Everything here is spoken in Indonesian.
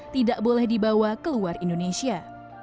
tidak boleh dibawa keluar indonesia